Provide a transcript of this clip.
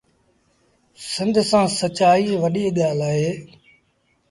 سند سآݩ سچآئيٚ وڏيٚ ڳآل اهي۔